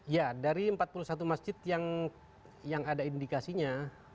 ya dari empat puluh satu masjid yang ada indikasinya